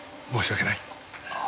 申し訳ない。